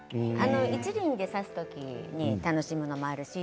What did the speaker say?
１輪で挿す時に楽しむのもあるし